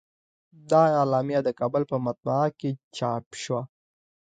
دا اعلامیه د کابل په مطبعه کې چاپ شوه.